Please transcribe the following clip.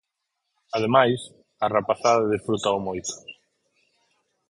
Ademais, a rapazada desfrútao moito.